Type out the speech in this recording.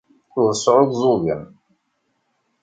Ur sɛuẓẓugen.